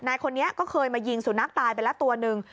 นายคนนี้ก็เคยมายิงสุนัขตายไปแล้วตัวหนึ่ง